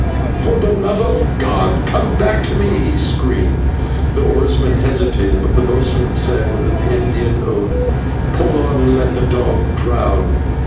"For the love of God, come back to me!" he screamed. The oarsmen hesitated, but the boatswain said, with an Indian oath: "Pull on and let the dog drown."